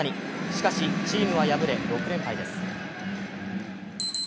しかし、チームは敗れ６連敗です。